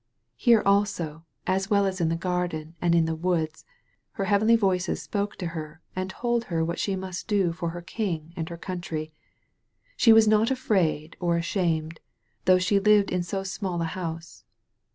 Here, also, as well as in the garden and in the woods, her heavenly voices spoke to her and told her what she must do for her king and her country. She was not afraid or ashamed, though she lived in so small a house.